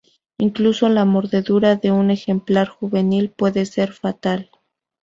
Incluso la mordedura de un ejemplar juvenil puede ser fatal.